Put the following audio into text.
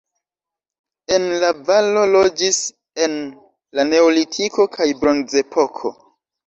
En la valo loĝis en la neolitiko kaj bronzepoko.